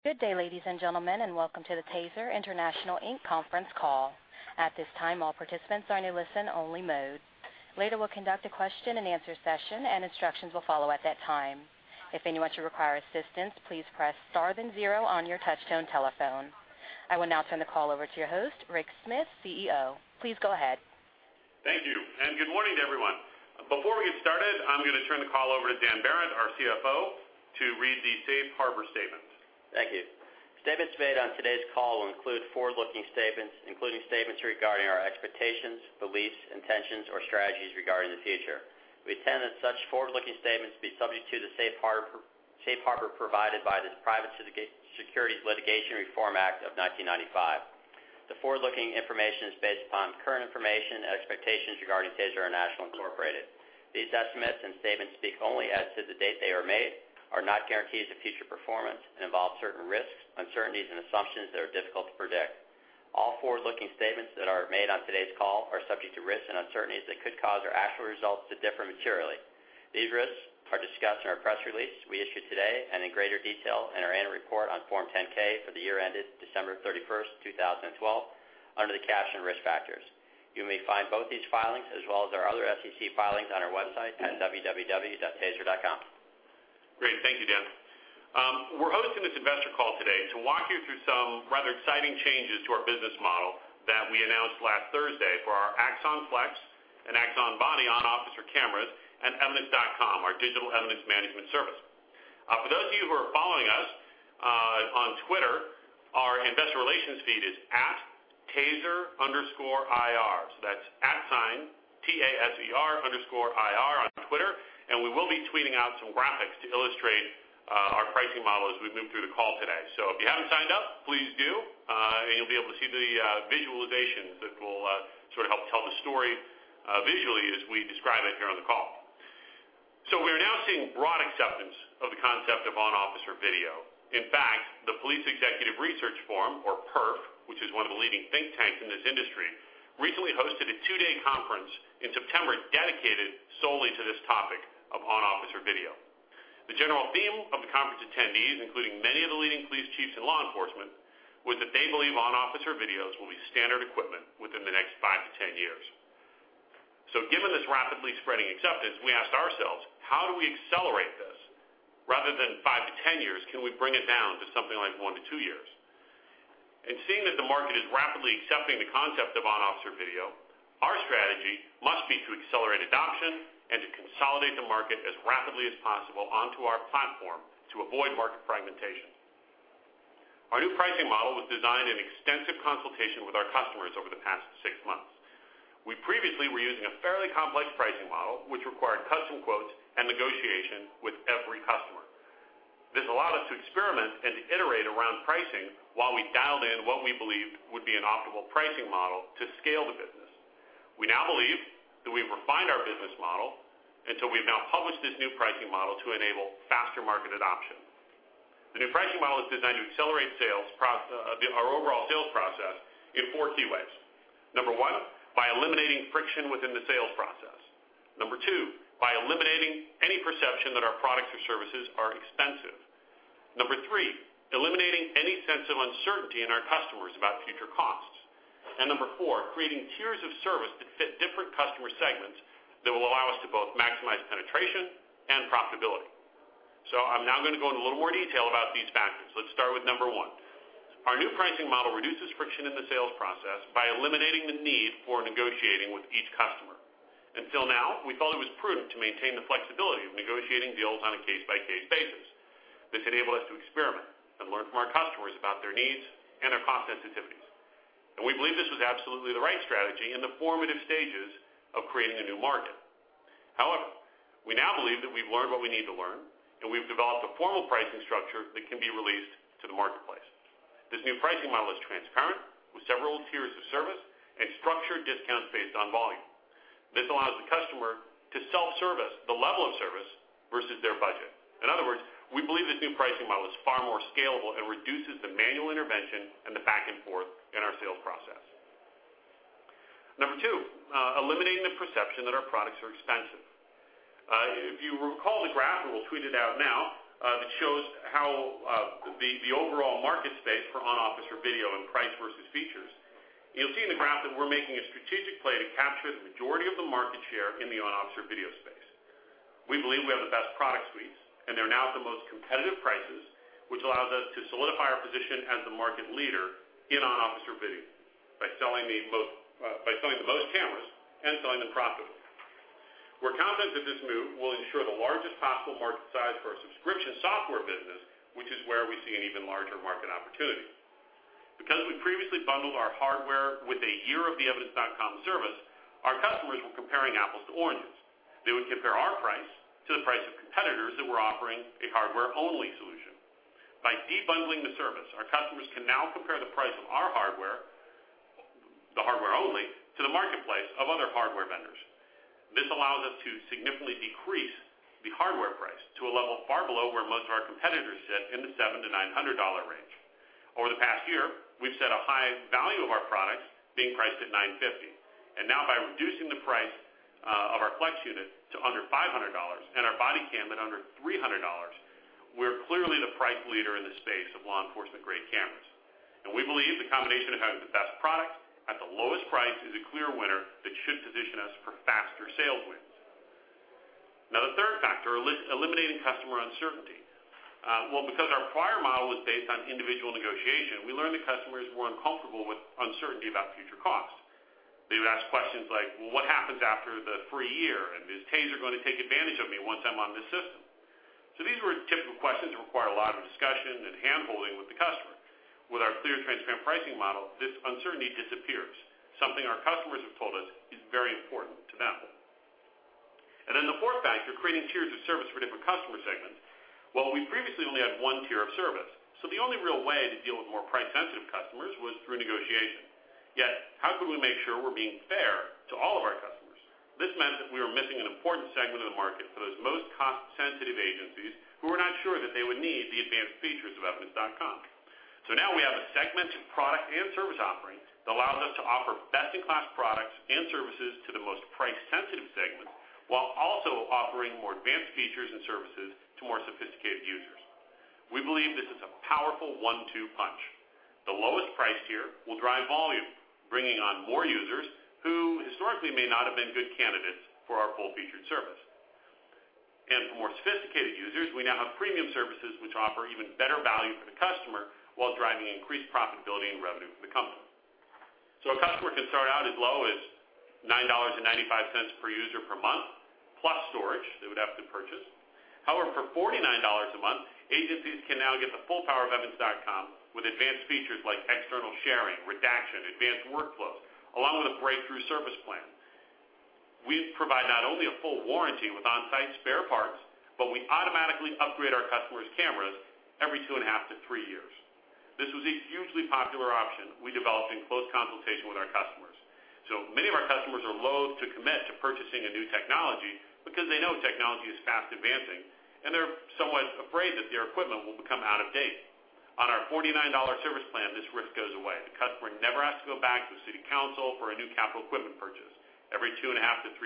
Good day, ladies and gentlemen, and welcome to the TASER International Inc. conference call. At this time, all participants are in a listen-only mode. Later, we'll conduct a question-and-answer session, and instructions will follow at that time. If anyone should require assistance, please press star then zero on your touchtone telephone. I will now turn the call over to your host, Rick Smith, CEO. Please go ahead. Thank you, and good morning to everyone. Before we get started, I'm gonna turn the call over to Dan Behrendt, our CFO, to read the Safe Harbor statement. Thank you. Statements made on today's call will include forward-looking statements, including statements regarding our expectations, beliefs, intentions, or strategies regarding the future. We intend that such forward-looking statements be subject to the safe harbor provided by the Private Securities Litigation Reform Act of 1995. The forward-looking information is based upon current information and expectations regarding TASER International, Incorporated. These estimates and statements speak only as to the date they are made, are not guarantees of future performance, and involve certain risks, uncertainties, and assumptions that are difficult to predict. All forward-looking statements that are made on today's call are subject to risks and uncertainties that could cause our actual results to differ materially. These risks are discussed in our press release we issued today and in greater detail in our annual report on Form 10-K for the year ended December 31, 2012, under the caption Risk Factors. You may find both these filings, as well as our other SEC filings on our website at www.taser.com. Great. Thank you, Dan. We're hosting this investor call today to walk you through some rather exciting changes to our business model that we announced last Thursday for our Axon Flex and Axon Body on-officer cameras and Evidence.com, our digital evidence management service. For those of you who are following us on Twitter, our investor relations feed is @taser_ir. So that's at sign T-A-S-E-R underscore I-R on Twitter, and we will be tweeting out some graphics to illustrate our pricing model as we move through the call today. So if you haven't signed up, please do, and you'll be able to see the visualizations that will sort of help tell the story visually as we describe it here on the call. So we're now seeing broad acceptance of the concept of on-officer video. In fact, the Police Executive Research Forum, or PERF, which is one of the leading think tanks in this industry, recently hosted a 2-day conference in September dedicated solely to this topic of on-officer video. The general theme of the conference attendees, including many of the leading police chiefs in law enforcement, was that they believe on-officer videos will be standard equipment within the next 5-10 years. Given this rapidly spreading acceptance, we asked ourselves: How do we accelerate this? Rather than 5-10 years, can we bring it down to something like 1-2 years? Seeing that the market is rapidly accepting the concept of on-officer video, our strategy must be to accelerate adoption and to consolidate the market as rapidly as possible onto our platform to avoid market fragmentation. Our new pricing model was designed in extensive consultation with our customers over the past six months. We previously were using a fairly complex pricing model, which required custom quotes and negotiation with every customer. This allowed us to experiment and to iterate around pricing while we dialed in what we believed would be an optimal pricing model to scale the business. We now believe that we've refined our business model, and so we've now published this new pricing model to enable faster market adoption. The new pricing model is designed to accelerate our overall sales process in four key ways. Number one, by eliminating friction within the sales process. Number two, by eliminating any perception that our products or services are expensive. Number three, eliminating any sense of uncertainty in our customers about future costs. Number four, creating tiers of service that fit different customer segments that will allow us to both maximize penetration and profitability. I'm now gonna go into a little more detail about these factors. Let's start with number one. Our new pricing model reduces friction in the sales process by eliminating the need for negotiating with each customer. Until now, we felt it was prudent to maintain the flexibility of negotiating deals on a case-by-case basis. This enabled us to experiment and learn from our customers about their needs and their cost sensitivities. We believe this was absolutely the right strategy in the formative stages of creating a new market. However, we now believe that we've learned what we need to learn, and we've developed a formal pricing structure that can be released to the marketplace. This new pricing model is transparent, with several tiers of service and structured discounts based on volume. This allows the customer to self-service the level of service versus their budget. In other words, we believe this new pricing model is far more scalable and reduces the manual intervention and the back and forth in our sales process. Number two, eliminating the perception that our products are expensive. If you recall the graph, and we'll tweet it out now, that shows how the overall market space for on-officer video and price versus features, you'll see in the graph that we're making a strategic play to capture the majority of the market share in the on-officer video space. We believe we have the best product suites, and they're now at the most competitive prices, which allows us to solidify our position as the market leader in on-officer video by selling the most, by selling the most cameras and selling them profitably. We're confident that this move will ensure the largest possible market size for our subscription software business, which is where we see an even larger market opportunity. Because we previously bundled our hardware with a year of the Evidence.com service, our customers were comparing apples to oranges. They would compare our price to the price of competitors that were offering a hardware-only solution. By debundling the service, our customers can now compare the price of our hardware, the hardware only, to the marketplace of other hardware vendors. This allows us to significantly decrease the hardware price to a level far below where most of our competitors sit in the $700-$900 range. Over the past year, we've set a high value of our products being priced at $950. And now by reducing the price of our Flex unit to under $500 and our body cam at under $300, we're clearly the price leader in the space of law enforcement-grade cameras. And we believe the combination of having the best product at the lowest price is a clear winner that should position us for faster sales wins. Now, the third factor, eliminating customer uncertainty. Because our prior model was based on individual negotiation, we learned that customers were uncomfortable with uncertainty about future costs. They would ask questions like, "Well, what happens after the free year? And is TASER going to take advantage of me once I'm on this system?" So these were typical questions that require a lot of discussion and handholding with the customer. With our clear, transparent pricing model, this uncertainty disappears, something our customers have told us is very important to them. And then the fourth factor, creating tiers of service for different customer segments. Well, we previously only had one tier of service, so the only real way to deal with more price-sensitive customers was through negotiation. Yet, how could we make sure we're being fair to all of our customers? This meant that we were missing an important segment of the market for those most cost-sensitive agencies who were not sure that they would need the advanced features of Evidence.com. So now we have a segmented product and service offering that allows us to offer best-in-class products and services to the most price-sensitive segments, while also offering more advanced features and services to more sophisticated users. We believe this is a powerful one-two punch. The lowest price tier will drive volume, bringing on more users who historically may not have been good candidates for our full-featured service. And for more sophisticated users, we now have premium services which offer even better value for the customer while driving increased profitability and revenue for the company. So a customer can start out as low as $9.95 per user per month, plus storage they would have to purchase. However, for $49 a month, agencies can now get the full power of Evidence.com, with advanced features like external sharing, redaction, advanced workflows, along with a breakthrough service plan. We provide not only a full warranty with on-site spare parts, but we automatically upgrade our customers' cameras every 2.5-3 years. This was a hugely popular option we developed in close consultation with our customers. So many of our customers are loath to commit to purchasing a new technology because they know technology is fast advancing, and they're somewhat afraid that their equipment will become out of date. On our $49 service plan, this risk goes away. The customer never has to go back to the city council for a new capital equipment purchase. Every 2.5-3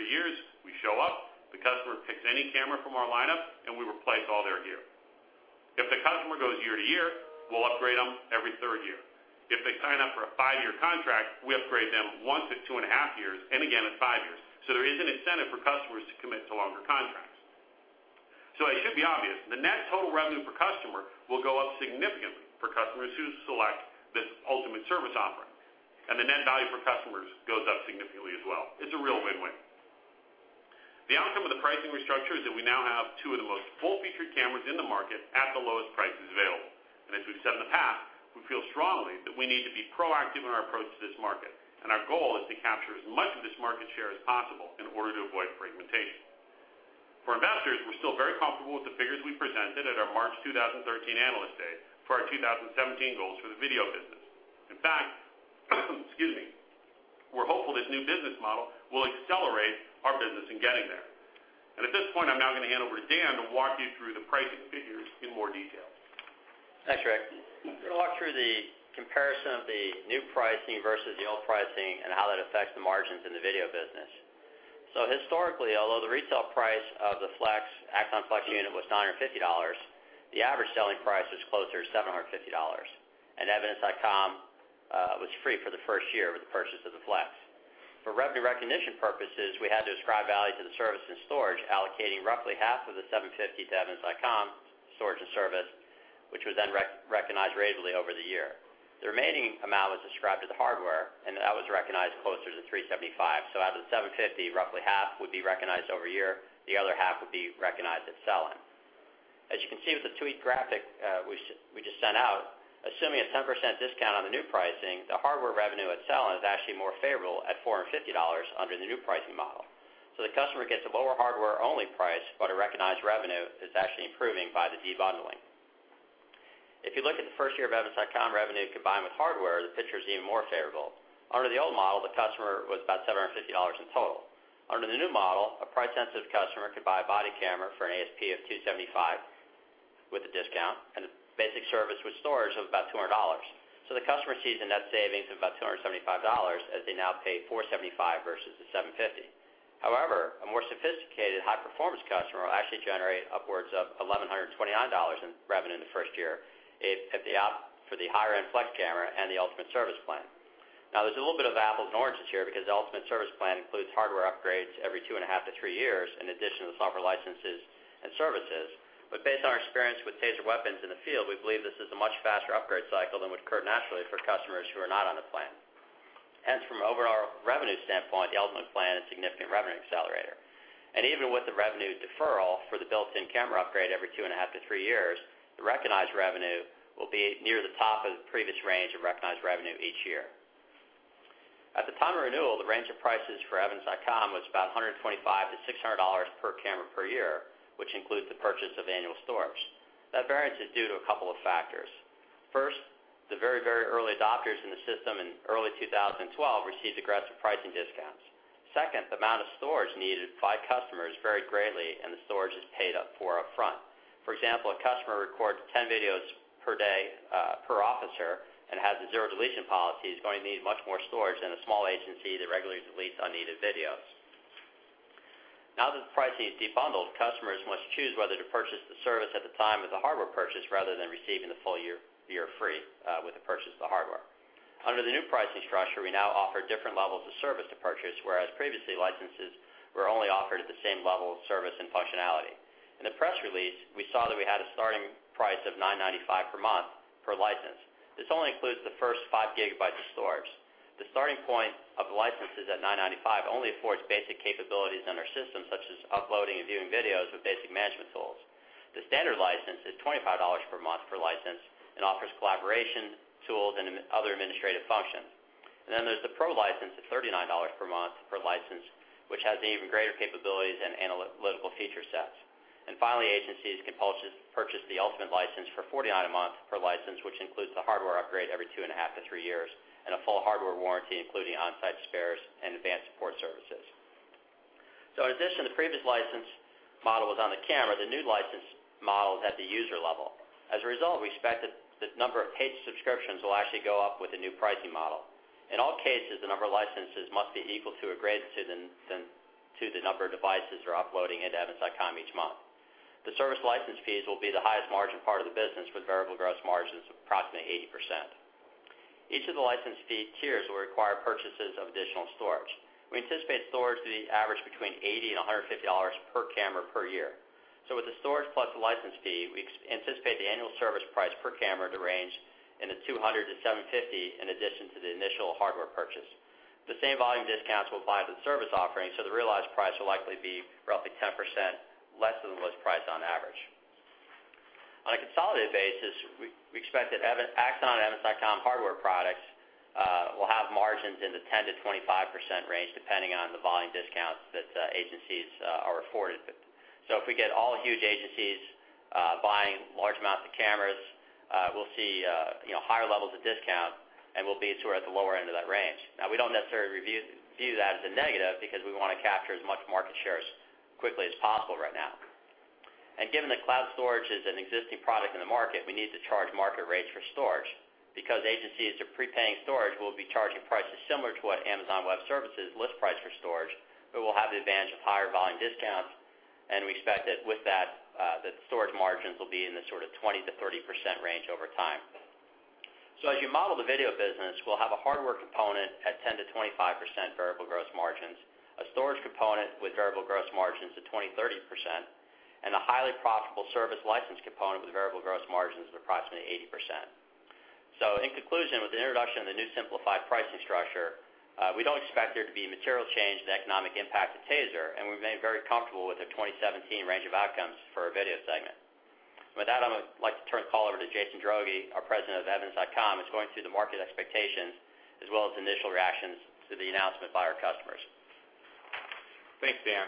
years, we show up, the customer picks any camera from our lineup, and we replace all their gear. If the customer goes year to year, we'll upgrade them every third year. If they sign up for a five-year contract, we upgrade them once at two and a half years and again at five years, so there is an incentive for customers to commit to longer contracts. So it should be obvious, the net total revenue per customer will go up significantly for customers who select this ultimate service offering, and the net value for customers goes up significantly as well. It's a real win-win. The outcome of the pricing restructure is that we now have two of the most full-featured cameras in the market at the lowest prices available. And as we've said in the past, we feel strongly that we need to be proactive in our approach to this market, and our goal is to capture as much of this market share as possible in order to avoid fragmentation. For investors, we're still very comfortable with the figures we presented at our March 2013 Analyst Day for our 2017 goals for the video business. In fact, excuse me, we're hopeful this new business model will accelerate our business in getting there. At this point, I'm now going to hand over to Dan to walk you through the pricing figures in more detail. Thanks, Rick. I'm gonna walk through the comparison of the new pricing versus the old pricing and how that affects the margins in the video business. So historically, although the retail price of the Flex, Axon Flex unit was $950, the average selling price was closer to $750, and Evidence.com was free for the first year with the purchase of the Flex. For revenue recognition purposes, we had to ascribe value to the service and storage, allocating roughly half of the $750 to Evidence.com storage and service, which was then recognized ratably over the year. The remaining amount was ascribed to the hardware, and that was recognized closer to $375. So out of the $750, roughly half would be recognized over a year, the other half would be recognized at selling. As you can see with the two-week graphic, we just sent out, assuming a 10% discount on the new pricing, the hardware revenue at selling is actually more favorable at $450 under the new pricing model. So the customer gets a lower hardware-only price, but a recognized revenue is actually improving by the debundling. If you look at the first year of Evidence.com, revenue combined with hardware, the picture is even more favorable. Under the old model, the customer was about $750 in total. Under the new model, a price-sensitive customer could buy a body camera for an ASP of $275 with a discount and a basic service with storage of about $200. So the customer sees a net savings of about $275, as they now pay $475 versus the $750. However, a more sophisticated high-performance customer will actually generate upwards of $1,129 in revenue in the first year if—if they opt for the higher-end Flex camera and the Ultimate Service Plan. Now, there's a little bit of apples and oranges here because the Ultimate Service Plan includes hardware upgrades every 2.5-3 years, in addition to software licenses and services. But based on our experience with TASER weapons in the field, we believe this is a much faster upgrade cycle than would occur naturally for customers who are not on the plan. Hence, from an overall revenue standpoint, the Ultimate Plan is a significant revenue accelerator. And even with the revenue deferral for the built-in camera upgrade every 2.5-3 years, the recognized revenue will be near the top of the previous range of recognized revenue each year. At the time of renewal, the range of prices for Evidence.com was about $125-$600 per camera per year, which includes the purchase of annual storage. That variance is due to a couple of factors. First, the very, very early adopters in the system in early 2012 received aggressive pricing discounts.... Second, the amount of storage needed by customers vary greatly, and the storage is paid up for upfront. For example, a customer records 10 videos per day, per officer and has a zero deletion policy, is going to need much more storage than a small agency that regularly deletes unneeded videos. Now that the pricing is unbundled, customers must choose whether to purchase the service at the time of the hardware purchase rather than receiving the full year free with the purchase of the hardware. Under the new pricing structure, we now offer different levels of service to purchase, whereas previously, licenses were only offered at the same level of service and functionality. In the press release, we saw that we had a starting price of $9.95 per month per license. This only includes the first 5 GB of storage. The starting point of the licenses at $9.95 only affords basic capabilities in our system, such as uploading and viewing videos with basic management tools. The standard license is $25 per month per license and offers collaboration tools and other administrative functions. Then there's the Pro license at $39 per month per license, which has even greater capabilities and analytical feature sets. Finally, agencies can purchase the ultimate license for $49 a month per license, which includes the hardware upgrade every 2.5-3 years, and a full hardware warranty, including on-site spares and advanced support services. In addition, the previous license model was on the camera, the new license model is at the user level. As a result, we expect that the number of paid subscriptions will actually go up with the new pricing model. In all cases, the number of licenses must be equal to or greater than the number of devices they're uploading into Evidence.com each month. The service license fees will be the highest margin part of the business, with variable gross margins of approximately 80%. Each of the license fee tiers will require purchases of additional storage. We anticipate storage to be average between $80 and $150 per camera per year. So with the storage plus the license fee, we anticipate the annual service price per camera to range in the $200 to $750, in addition to the initial hardware purchase. The same volume discounts will apply to the service offering, so the realized price will likely be roughly 10% less than the list price on average. On a consolidated basis, we expect that Axon and Evidence.com hardware products will have margins in the 10%-25% range, depending on the volume discounts that agencies are afforded. So if we get all huge agencies, buying large amounts of cameras, we'll see, you know, higher levels of discount, and we'll be sort of at the lower end of that range. Now, we don't necessarily view that as a negative because we wanna capture as much market share as quickly as possible right now. And given that cloud storage is an existing product in the market, we need to charge market rates for storage. Because agencies are prepaying storage, we'll be charging prices similar to what Amazon Web Services list price for storage, but we'll have the advantage of higher volume discounts, and we expect that with that, the storage margins will be in the sort of 20%-30% range over time. So as you model the video business, we'll have a hardware component at 10%-25% variable gross margins, a storage component with variable gross margins of 20%-30%, and a highly profitable service license component with variable gross margins of approximately 80%. So in conclusion, with the introduction of the new simplified pricing structure, we don't expect there to be a material change in the economic impact of TASER, and we've made very comfortable with the 2017 range of outcomes for our video segment. With that, I'd like to turn the call over to Jason Droege, our President of Evidence.com, who's going through the market expectations as well as initial reactions to the announcement by our customers. Thanks, Dan.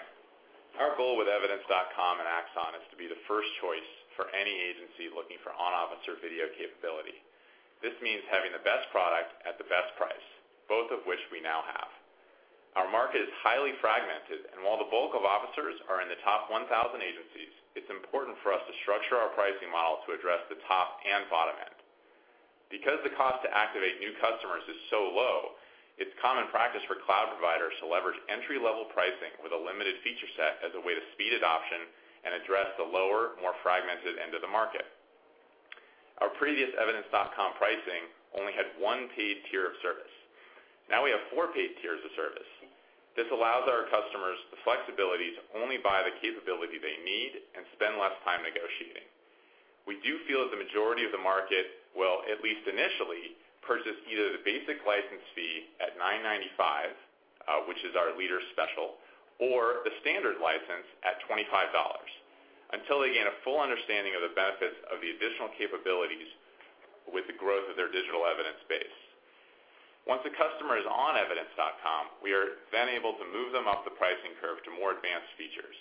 Our goal with Evidence.com and Axon is to be the first choice for any agency looking for on-officer video capability. This means having the best product at the best price, both of which we now have. Our market is highly fragmented, and while the bulk of officers are in the top 1,000 agencies, it's important for us to structure our pricing model to address the top and bottom end. Because the cost to activate new customers is so low, it's common practice for cloud providers to leverage entry-level pricing with a limited feature set as a way to speed adoption and address the lower, more fragmented end of the market. Our previous Evidence.com pricing only had one paid tier of service. Now we have four paid tiers of service. This allows our customers the flexibility to only buy the capability they need and spend less time negotiating. We do feel that the majority of the market will, at least initially, purchase either the basic license fee at $9.95, which is our leader special, or the standard license at $25, until they gain a full understanding of the benefits of the additional capabilities with the growth of their digital evidence base. Once a customer is on Evidence.com, we are then able to move them up the pricing curve to more advanced features.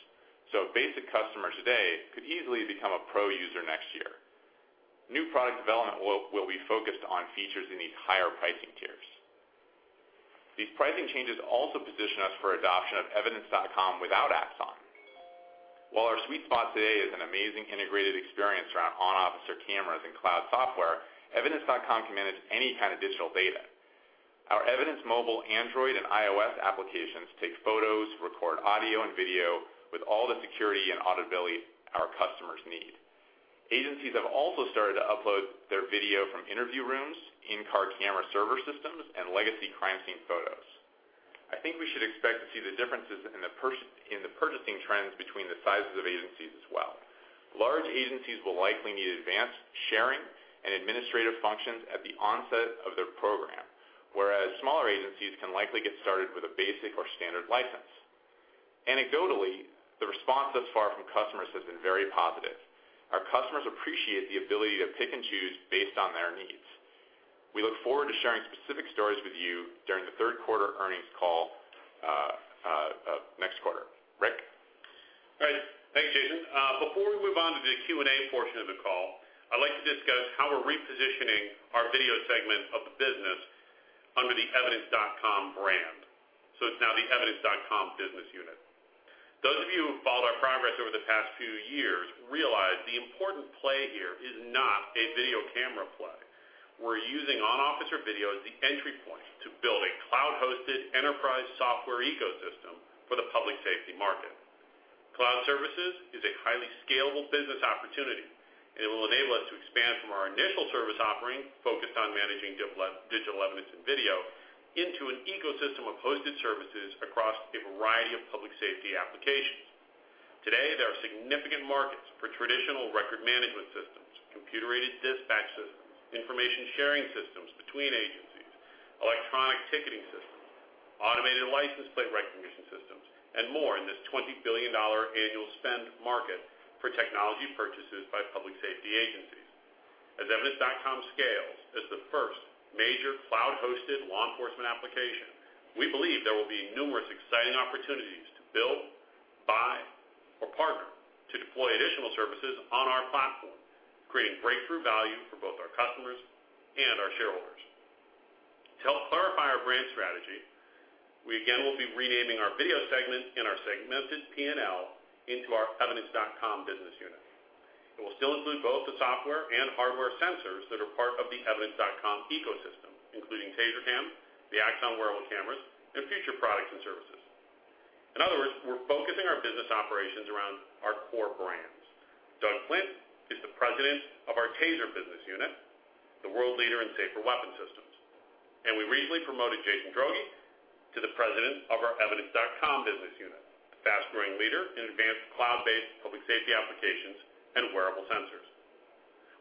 So a basic customer today could easily become a pro user next year. New product development will be focused on features in these higher pricing tiers. These pricing changes also position us for adoption of Evidence.com without Axon. While our sweet spot today is an amazing integrated experience around on-officer cameras and cloud software, Evidence.com can manage any kind of digital data. Our Evidence Mobile, Android, and iOS applications take photos, record audio and video with all the security and auditability our customers need. Agencies have also started to upload their video from interview rooms, in-car camera server systems, and legacy crime scene photos. I think we should expect to see the differences in the purchasing trends between the sizes of agencies as well. Large agencies will likely need advanced sharing and administrative functions at the onset of their program, whereas smaller agencies can likely get started with a basic or standard license. Anecdotally, the response thus far from customers has been very positive. Our customers appreciate the ability to pick and choose based on their needs. We look forward to sharing specific stories with you during the third quarter earnings call, next quarter. Rick? Hey Jason, before we move to the Q and A portion of the call, I'd like to discuss how we're repositioning our video segment of the business under the Evidence.com brand. So it's now the Evidence.com business unit. Those of you who've followed our progress over the past few years realize the important play here is not a video camera play. We're using on-officer video as the entry point to build a cloud-hosted enterprise software ecosystem for the public safety market. Cloud services is a highly scalable business opportunity, and it will enable us to expand from our initial service offering, focused on managing digital evidence and video, into an ecosystem of hosted services across a variety of public safety applications. Today, there are significant markets for traditional record management systems, computer-aided dispatch systems, information sharing systems between agencies, electronic ticketing systems, automated license plate recognition systems, and more in this $20 billion annual spend market for technology purchases by public safety agencies. As Evidence.com scales as the first major cloud-hosted law enforcement application, we believe there will be numerous exciting opportunities to build, buy, or partner to deploy additional services on our platform, creating breakthrough value for both our customers and our shareholders. To help clarify our brand strategy, we again will be renaming our video segment in our segmented P&L into our Evidence.com business unit. It will still include both the software and hardware sensors that are part of the Evidence.com ecosystem, including TASER Cam, the Axon wearable cameras, and future products and services. In other words, we're focusing our business operations around our core brands. Doug Flint is the President of our TASER business unit, the world leader in safer weapon systems, and we recently promoted Jason Droege to the President of our Evidence.com business unit, a fast-growing leader in advanced cloud-based public safety applications and wearable sensors.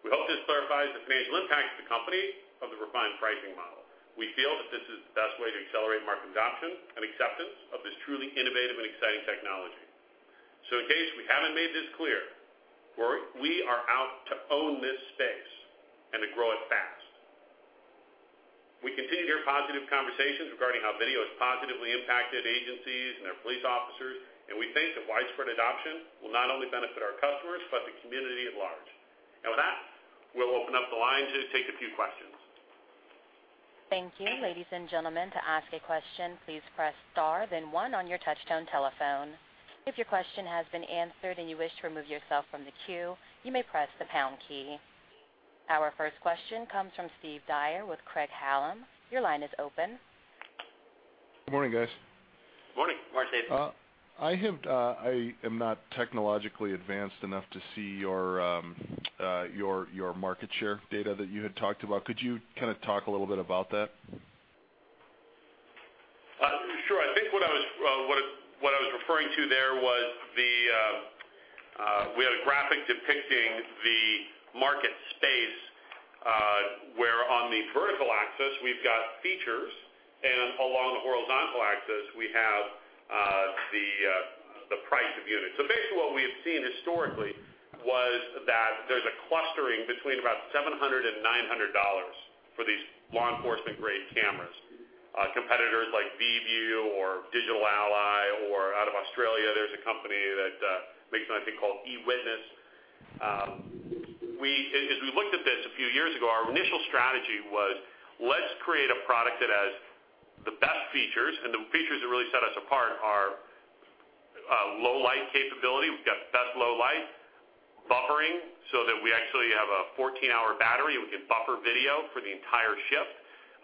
We hope this clarifies the financial impact to the company of the refined pricing model. We feel that this is the best way to accelerate market adoption and acceptance of this truly innovative and exciting technology. So in case we haven't made this clear, we're- we are out to own this space and to grow it fast. We continue to hear positive conversations regarding how video has positively impacted agencies and their police officers, and we think that widespread adoption will not only benefit our customers, but the community at large. With that, we'll open up the lines to take a few questions. Thank you. Ladies and gentlemen, to ask a question, please press star then one on your touchtone telephone. If your question has been answered and you wish to remove yourself from the queue, you may press the pound key. Our first question comes from Steve Dyer with Craig-Hallum. Your line is open. Good morning, guys. Morning, Rick, Jason. I am not technologically advanced enough to see your market share data that you had talked about. Could you kind of talk a little bit about that? Sure. I think what I was referring to there was the, we had a graphic depicting the market space, where on the vertical axis, we've got features, and along the horizontal axis, we have, the price of units. So basically, what we have seen historically was that there's a clustering between about $700 and $900 for these law enforcement grade cameras. Competitors like VIEVU or Digital Ally, or out of Australia, there's a company that makes another thing called eWitness. As we looked at this a few years ago, our initial strategy was, let's create a product that has the best features, and the features that really set us apart are, low light capability. We've got the best low light buffering so that we actually have a 14-hour battery. We can buffer video for the entire shift,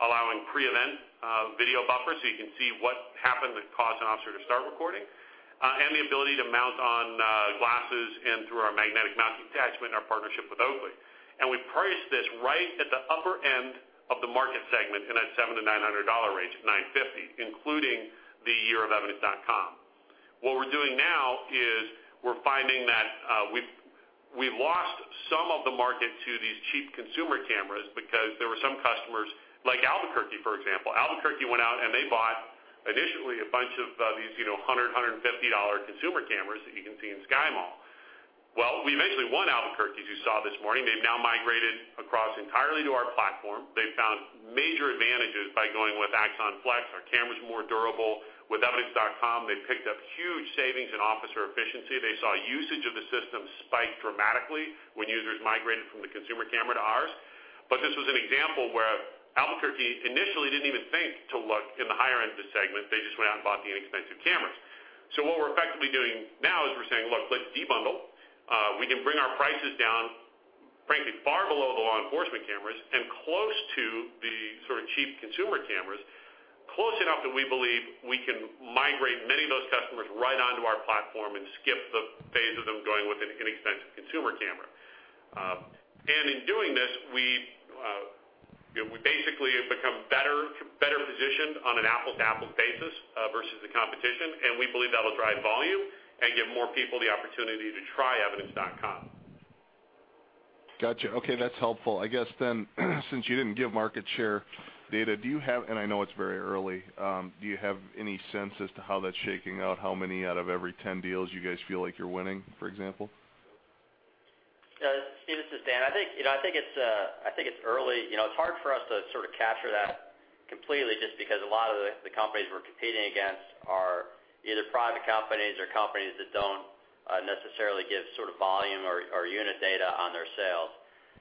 allowing pre-event video buffer, so you can see what happened that caused an officer to start recording, and the ability to mount on glasses and through our magnetic mounting attachment and our partnership with Oakley. We priced this right at the upper end of the market segment in that $700-$900 range, at $950, including the year of Evidence.com. What we're doing now is we're finding that we've lost some of the market to these cheap consumer cameras because there were some customers, like Albuquerque, for example. Albuquerque went out and they bought, initially, a bunch of these, you know, $150 consumer cameras that you can see in SkyMall. Well, we eventually won Albuquerque, as you saw this morning. They've now migrated across entirely to our platform. They found major advantages by going with Axon Flex. Our camera's more durable. With Evidence.com, they picked up huge savings in officer efficiency. They saw usage of the system spike dramatically when users migrated from the consumer camera to ours. But this was an example where Albuquerque initially didn't even think to look in the higher end of the segment. They just went out and bought the inexpensive cameras. So what we're effectively doing now is we're saying, "Look, let's debundle." We can bring our prices down, frankly, far below the law enforcement cameras and close to the sort of cheap consumer cameras, close enough that we believe we can migrate many of those customers right onto our platform and skip the phase of them going with an inexpensive consumer camera. In doing this, we basically have become better positioned on an apples-to-apples basis versus the competition, and we believe that will drive volume and give more people the opportunity to try Evidence.com. Gotcha. Okay, that's helpful. I guess then, since you didn't give market share data, do you have, and I know it's very early, do you have any sense as to how that's shaking out? How many out of every ten deals you guys feel like you're winning, for example? Steve, this is Dan. I think, you know, I think it's early. You know, it's hard for us to sort of capture that completely just because a lot of the companies we're competing against are either private companies or companies that don't necessarily give sort of volume or unit data on their sales.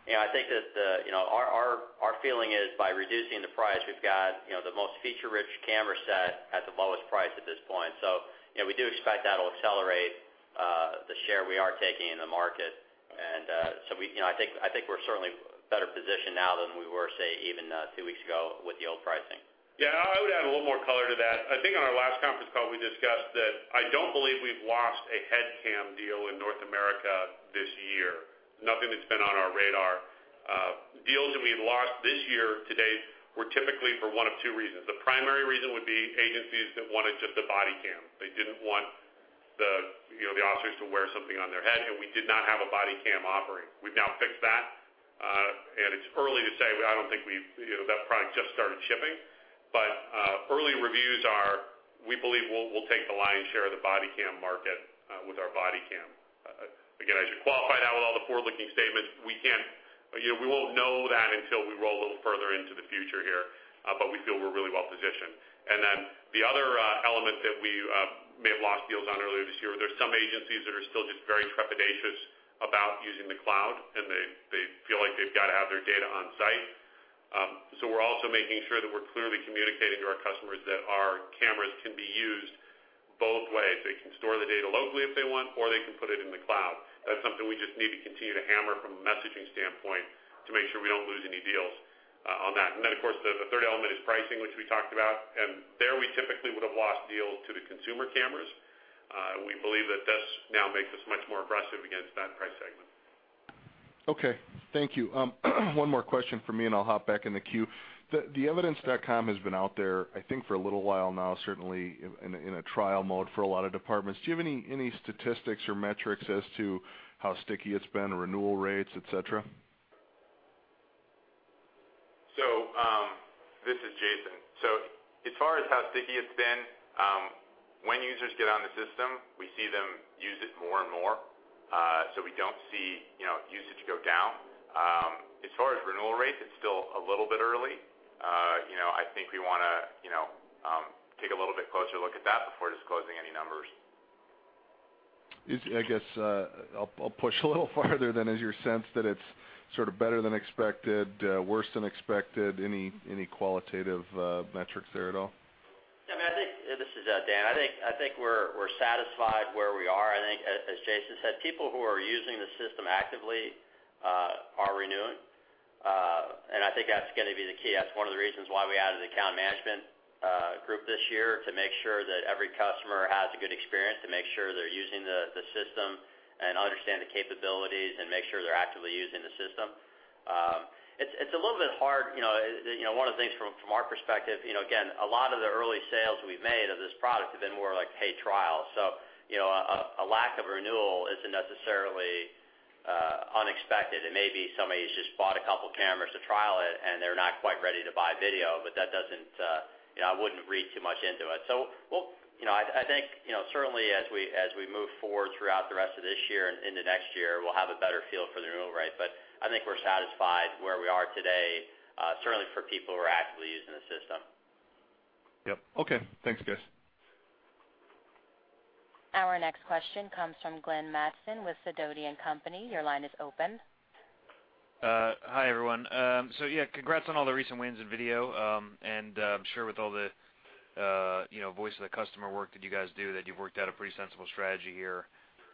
You know, I think that, you know, our feeling is by reducing the price, we've got, you know, the most feature-rich camera set at the lowest price at this point. So, you know, we do expect that'll accelerate the share we are taking in the market. And, so we, you know, I think, I think we're certainly better positioned now than we were, say, even two weeks ago with the old pricing. Yeah, I would add a little more color to that. I think on our last conference call, we discussed that I don't believe we've lost a headcam deal in North America this year. Nothing that's been on our radar. Deals that we've lost this year to date were typically for one of two reasons. The primary reason would be agencies that wanted just a body cam. They didn't want the, you know, the officers to wear something on their head, and we did not have a body cam offering. We've now fixed that, and it's early to say, I don't think we've, you know, that product just started shipping. But, early reviews are, we believe we'll, we'll take the lion's share of the body cam market, with our body cam. Again, I should qualify that with all the forward-looking statements. We can't, you know, we won't know that until we roll a little further into the future here, but we feel we're really well positioned. And then the other element that we may have lost deals on earlier this year, there's some agencies that are still just very trepidatious about using the cloud, and they, they feel like they've got to have their data on site. So we're also making sure that we're clearly communicating to our customers that our cameras can be used both ways. They can store the data locally if they want, or they can put it in the cloud. That's something we just need to continue to hammer from a messaging standpoint to make sure we don't lose any deals on that. And then, of course, the third element is pricing, which we talked about, and there we typically would have lost deals to the consumer cameras. We believe that this now makes us much more aggressive against that price segment. Okay. Thank you. One more question for me, and I'll hop back in the queue. The Evidence.com has been out there, I think, for a little while now, certainly in a trial mode for a lot of departments. Do you have any statistics or metrics as to how sticky it's been, renewal rates, et cetera? This is Jason. As far as how sticky it's been, when users get on the system, we see them use it more and more, so we don't see, you know, usage go down. As far as renewal rates, it's still a little bit early. You know, I think we wanna, you know, take a little bit closer look at that before disclosing any numbers. I guess, I'll push a little farther then. Is your sense that it's sort of better than expected, worse than expected? Any qualitative metrics there at all? I mean, I think. This is Dan. I think we're satisfied where we are. I think as Jason said, people who are using the system actively are renewing. And I think that's gonna be the key. That's one of the reasons why we added the account management group this year, to make sure that every customer has a good experience, to make sure they're using the system and understand the capabilities and make sure they're actively using the system. It's a little bit hard, you know, you know, one of the things from our perspective, you know, again, a lot of the early sales we've made of this product have been more like pay trials. So, you know, a lack of renewal isn't necessarily unexpected.It may be somebody who's just bought a couple cameras to trial it, and they're not quite ready to buy video, but that doesn't... You know, I wouldn't read too much into it. So we'll, you know, I think, you know, certainly as we move forward throughout the rest of this year and into next year, we'll have a better feel for the renewal rate. But I think we're satisfied where we are today, certainly for people who are actively using the system. Yep. Okay. Thanks, guys. Our next question comes from Glenn Mattson with Sidoti & Company. Your line is open. Hi, everyone. So yeah, congrats on all the recent wins in video. And, I'm sure with all the, you know, voice of the customer work that you guys do, that you've worked out a pretty sensible strategy here,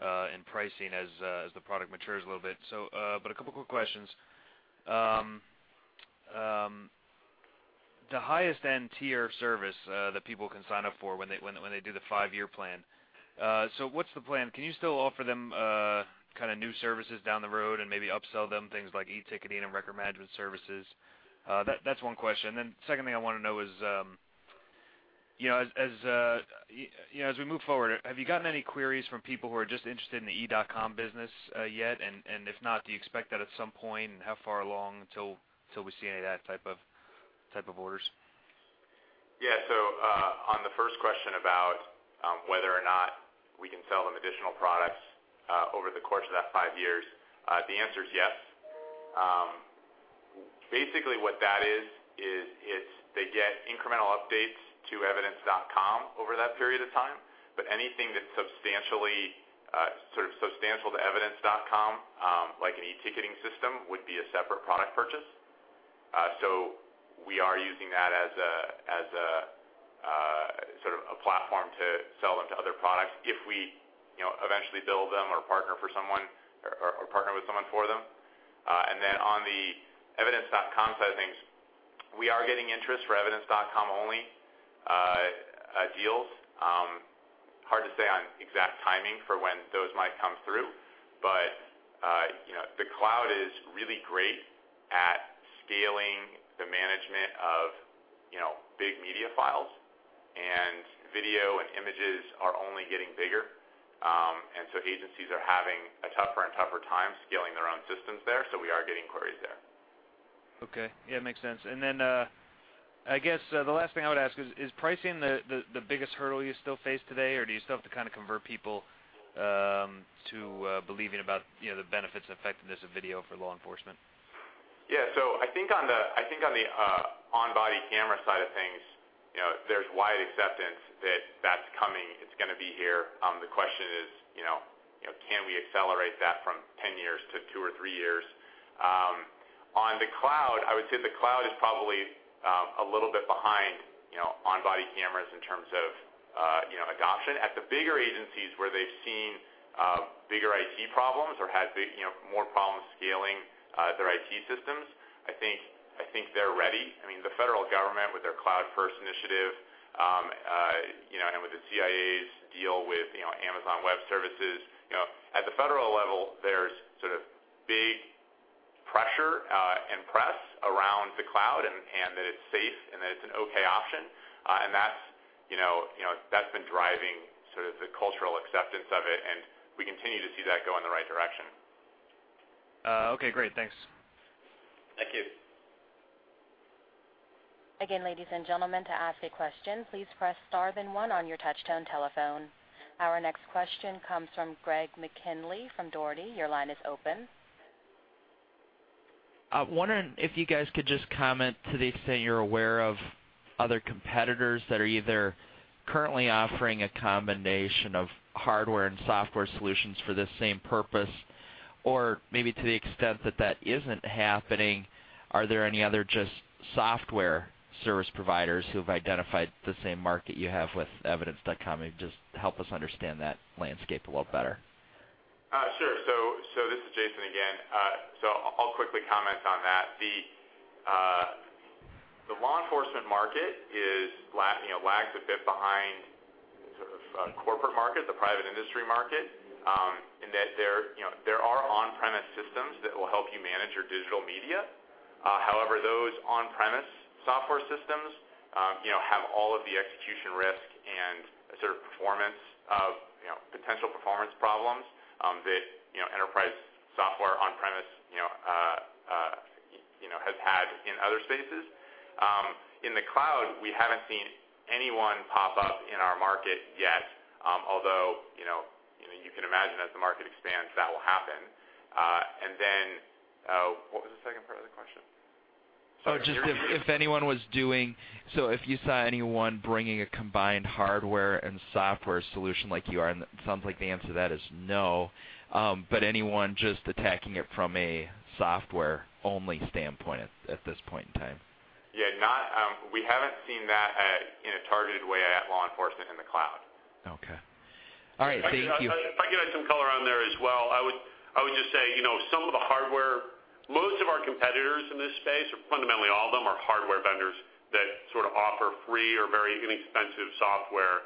in pricing as, as the product matures a little bit. So, but a couple quick questions. The highest-end tier service, that people can sign up for when they do the five-year plan, so what's the plan? Can you still offer them, kind of new services down the road and maybe upsell them things like e-ticketing and record management services? That's one question. And then the second thing I want to know is, you know, as we move forward, have you gotten any queries from people who are just interested in the Evidence.com business yet? And if not, do you expect that at some point, and how far along until we see any of that type of orders? Yeah. So, on the first question about whether or not we can sell them additional products over the course of that five years, the answer is yes. Basically, what that is, is it's they get incremental updates to Evidence.com over that period of time, but anything that's substantially sort of substantial to Evidence.com, like an e-ticketing system, would be a separate product purchase. So we are using that as a sort of a platform to sell them to other products if we, you know, eventually build them or partner for someone or partner with someone for them. And then on the Evidence.com side of things, we are getting interest for Evidence.com-only deals. Hard to say on exact timing for when those might come through, but, you know, the cloud is really great at scaling the management of, you know, big media files, and video and images are only getting bigger. And so agencies are having a tougher and tougher time scaling their own systems there, so we are getting queries there. Okay. Yeah, makes sense. And then, I guess, the last thing I would ask is, is pricing the biggest hurdle you still face today, or do you still have to kind of convert people?... to believing about, you know, the benefits and effectiveness of video for law enforcement? Yeah. So I think on the on-body camera side of things, you know, there's wide acceptance that that's coming. It's gonna be here. The question is, you know, can we accelerate that from 10 years to 2 or 3 years? On the cloud, I would say the cloud is probably a little bit behind, you know, on-body cameras in terms of, you know, adoption. At the bigger agencies where they've seen bigger IT problems or had big, you know, more problems scaling their IT systems, I think they're ready. I mean, the federal government, with their Cloud First initiative, you know, and with the CIA's deal with, you know, Amazon Web Services.You know, at the federal level, there's sort of big pressure and press around the cloud, and that it's safe and that it's an okay option. And that's, you know, that's been driving sort of the cultural acceptance of it, and we continue to see that go in the right direction. Okay, great. Thanks. Thank you. Again, ladies and gentlemen, to ask a question, please press star then one on your touchtone telephone. Our next question comes from Greg McKinley from Dougherty. Your line is open. I'm wondering if you guys could just comment to the extent you're aware of other competitors that are either currently offering a combination of hardware and software solutions for this same purpose, or maybe to the extent that that isn't happening, are there any other just software service providers who have identified the same market you have with Evidence.com? Just help us understand that landscape a little better. Sure. So this is Jason again. So I'll quickly comment on that. The law enforcement market lags a bit behind sort of the corporate market, the private industry market, in that there you know, there are on-premise systems that will help you manage your digital media. However, those on-premise software systems you know, have all of the execution risk and a sort of performance of you know, potential performance problems that you know, enterprise software on-premise you know has had in other spaces. In the cloud, we haven't seen anyone pop up in our market yet, although you know you can imagine as the market expands, that will happen. And then, what was the second part of the question? So if you saw anyone bringing a combined hardware and software solution like you are, and it sounds like the answer to that is no. But anyone just attacking it from a software-only standpoint at this point in time? Yeah, not, we haven't seen that in a targeted way at law enforcement in the cloud. Okay. All right. Thank you. If I could add some color on there as well, I would, I would just say, you know, some of the hardware, most of our competitors in this space, or fundamentally all of them, are hardware vendors that sort of offer free or very inexpensive software,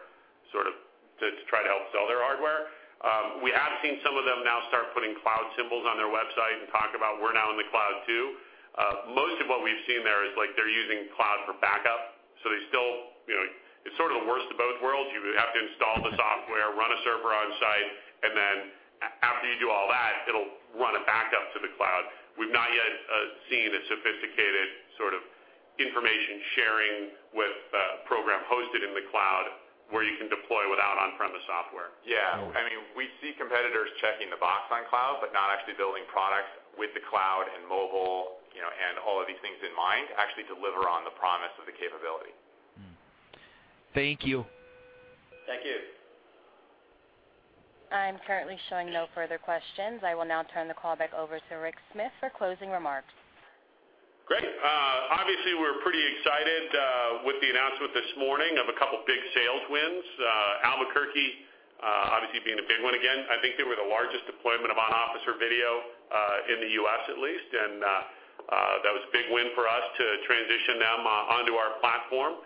sort of, to try to help sell their hardware. We have seen some of them now start putting cloud symbols on their website and talk about, "We're now in the cloud, too." Most of what we've seen there is like they're using cloud for backup, so they still, you know, it's sort of the worst of both worlds. You have to install the software, run a server on site, and then after you do all that, it'll run a backup to the cloud. We've not yet seen a sophisticated sort of information sharing with program hosted in the cloud, where you can deploy without on-premise software. Yeah. I mean, we see competitors checking the box on cloud, but not actually building products with the cloud and mobile, you know, and all of these things in mind, actually deliver on the promise of the capability. Mm-hmm. Thank you. Thank you. I'm currently showing no further questions. I will now turn the call back over to Rick Smith for closing remarks. Great. Obviously, we're pretty excited with the announcement this morning of a couple big sales wins. Albuquerque, obviously, being a big one again. I think they were the largest deployment of on-officer video in the U.S. at least, and that was a big win for us to transition them onto our platform.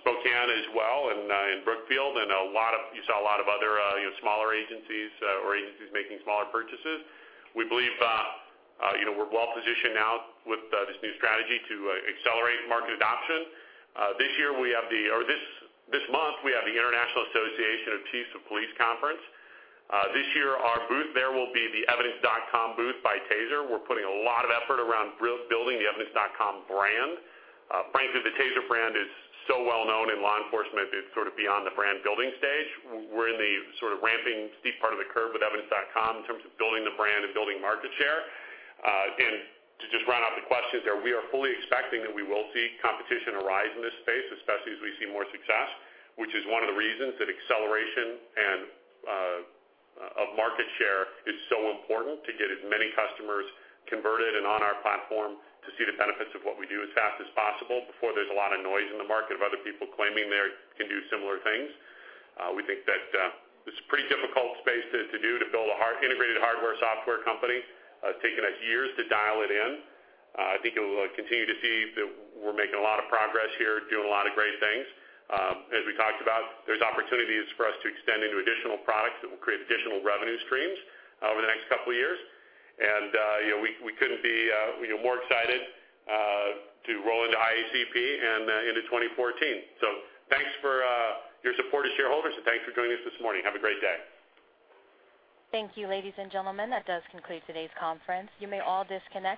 Spokane as well, and Brookfield. You saw a lot of other, you know, smaller agencies or agencies making smaller purchases. We believe, you know, we're well positioned now with this new strategy to accelerate market adoption. This year, we have the... Or this month, we have the International Association of Chiefs of Police Conference. This year, our booth there will be the Evidence.com booth by TASER. We're putting a lot of effort around building the Evidence.com brand. Frankly, the TASER brand is so well known in law enforcement, it's sort of beyond the brand-building stage. We're in the sort of ramping steep part of the curve with Evidence.com in terms of building the brand and building market share. And to just round out the questions there, we are fully expecting that we will see competition arise in this space, especially as we see more success, which is one of the reasons that acceleration and of market share is so important to get as many customers converted and on our platform to see the benefits of what we do as fast as possible, before there's a lot of noise in the market of other people claiming they can do similar things. We think that it's a pretty difficult space to build a hard-integrated hardware, software company. It's taken us years to dial it in. I think you will continue to see that we're making a lot of progress here, doing a lot of great things. As we talked about, there's opportunities for us to extend into additional products that will create additional revenue streams over the next couple of years. And, you know, we couldn't be, you know, more excited to roll into IACP and into 2014. So thanks for your support as shareholders, and thanks for joining us this morning. Have a great day. Thank you, ladies and gentlemen. That does conclude today's conference. You may all disconnect.